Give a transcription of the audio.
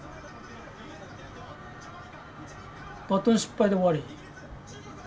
バトン失敗で終わり。